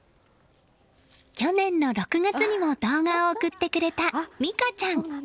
去年の６月にも動画を送ってくれた実架ちゃん。